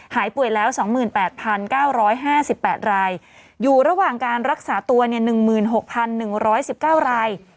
หายป่วยแล้ว๒๘๙๕๘รายอยู่ระหว่างการรักษาตัว๑๖๑๑๙ราย